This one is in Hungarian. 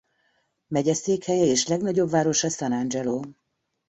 Megyeszékhelye és legnagyobb városa San Angelo.